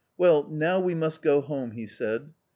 " Well, now we must go home," he said.